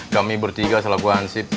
kami bertiga salah gue ansip